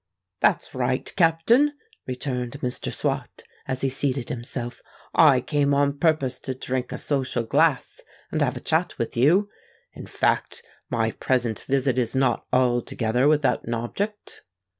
"That's right, Captain," returned Mr. Swot, as he seated himself. "I came on purpose to drink a social glass and have a chat with you. In fact, my present visit is not altogether without an object."